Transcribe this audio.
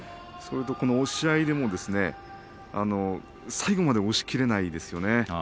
押し合いでも最後まで押しきれないんですね。